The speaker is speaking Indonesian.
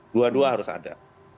dua dua harus ada